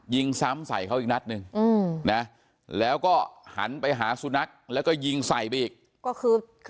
ยิงซ้ำใส่เขาอีกนัดหนึ่งอืมนะแล้วก็หันไปหาสุนัขแล้วก็ยิงใส่ไปอีกก็คือ